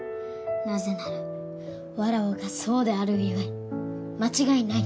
なぜならわらわがそうであるゆえ間違いない。